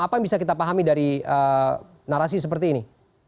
apa yang bisa kita pahami dari narasi seperti ini